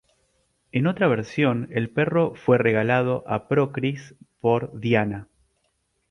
En otra versión, el perro fue regalado a Procris por Diana.